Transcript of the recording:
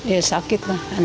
ya sakit lah